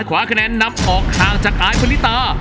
ขวาคะแนนนับออกทางจากอายปริตา